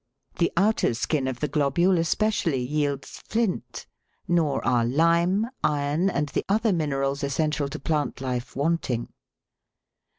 * The outer skin of the globule especially yields flint, nor are lime, iron, and the other minerals essential to plant life, wanting.